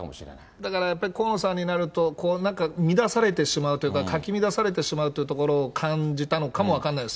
だからやっぱり河野さんになると、なんか乱されてしまうというか、かき乱されてしまうというところを感じたのかも分かんないです。